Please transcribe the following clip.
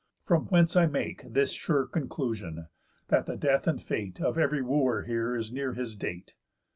From whence I make, This sure conclusion: That the death and fate Of ev'ry Wooer here is near his date.